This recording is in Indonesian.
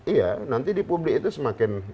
iya nanti di publik itu semakin